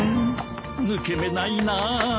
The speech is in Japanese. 抜け目ないなあ。